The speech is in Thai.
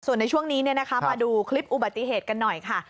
ส่วนในช่วงนี้มาดูคลิปอุบัติเหตุกันหน่อยค่ะ